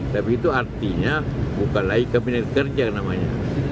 tapi itu artinya bukan lagi kabinet kerja namanya